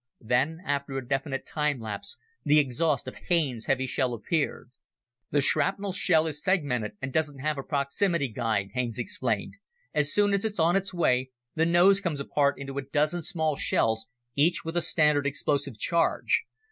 Then, after a definite time lapse, the exhaust of Haines' heavy shell appeared. "The shrapnel shell is segmented and doesn't have a proximity guide," Haines explained. "As soon as it's on its way, the nose comes apart into a dozen small shells, each with a standard explosive charge.